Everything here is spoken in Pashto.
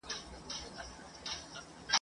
په دې منځ کي باندی تېر سوله کلونه !.